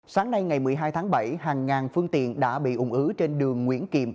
sáng nay ngày một mươi hai tháng bảy hàng ngàn phương tiện đã bị ung ứ trên đường nguyễn kiệm